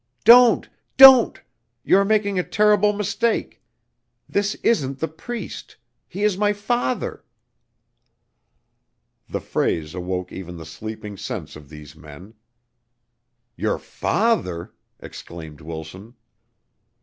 "Don't! Don't! You are making a terrible mistake. This isn't the Priest he is my father." The phrase awoke even the sleeping sense of these men. "Your father!" exclaimed Wilson.